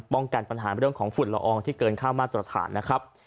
กันปัญหาเรื่องของฝุ่นละอองที่เกินค่ามาตรฐานนะครับ